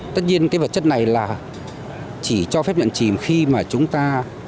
tất nhiên cái vật chất này là chỉ cho phép luyện chìm khi mà chúng ta